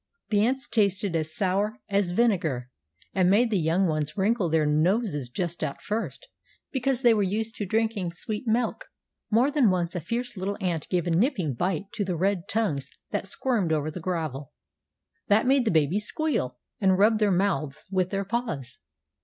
The ants tasted as sour as vinegar, and made the young ones wrinkle their noses just at first, because they were used to drinking sweet milk. More than once a fierce little ant gave a nipping bite to the red tongues that squirmed over the gravel. That made the babies squeal, and rub their mouths with their paws.